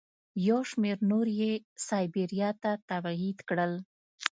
یو شمېر نور یې سایبریا ته تبعید کړل.